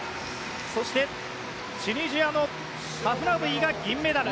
そして、チュニジアのハフナウイが銀メダル。